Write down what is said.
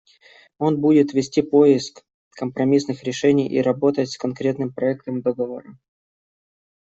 Он будет вести поиск компромиссных решений и работать с конкретным проектом договора.